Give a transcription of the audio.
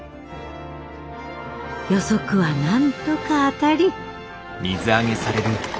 予測はなんとか当たり。